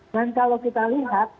dan kalau kita lihat